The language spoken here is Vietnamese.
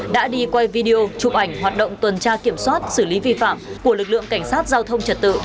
đã đi quay video chụp ảnh hoạt động tuần tra kiểm soát xử lý vi phạm của lực lượng cảnh sát giao thông trật tự